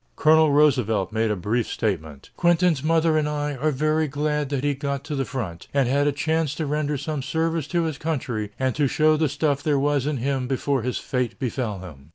Colonel Roosevelt made a brief statement: "Quentin's mother and I are very glad that he got to the front, and had a chance to render some service to his country and to show the stuff there was in him before his fate befell him."